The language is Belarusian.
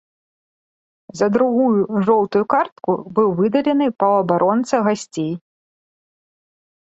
За другую жоўтую картку быў выдалены паўабаронца гасцей.